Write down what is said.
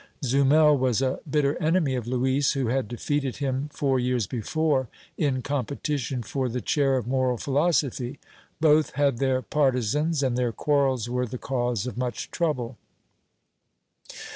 Zumel was a bitter enemy of Luis, who had defeated him, four years before, in competition for the chair of moral phil osophy; both had their partizans and their quarrels were the cause of much trouble.